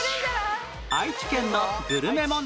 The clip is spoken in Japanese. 愛知県のグルメ問題